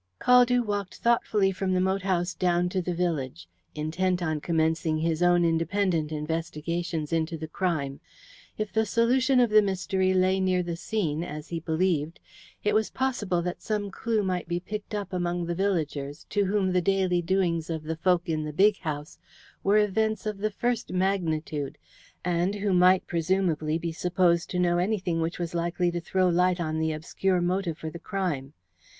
Caldew walked thoughtfully from the moat house down to the village, intent on commencing his own independent investigations into the crime. If the solution of the mystery lay near the scene, as he believed, it was possible that some clue might be picked up among the villagers, to whom the daily doings of the folk in "the big house" were events of the first magnitude, and who might, presumably, be supposed to know anything which was likely to throw light on the obscure motive for the crime.